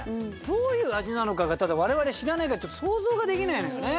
どういう味なのかがただわれわれ知らないから想像ができないのよね。